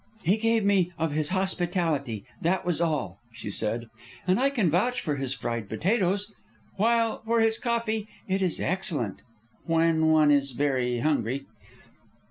"He gave me of his hospitality, that was all," she said. "And I can vouch for his fried potatoes; while for his coffee, it is excellent when one is very hungry."